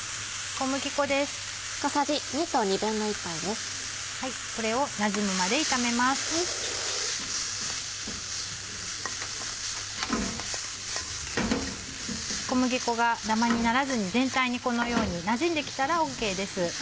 小麦粉がダマにならずに全体にこのようになじんで来たらＯＫです。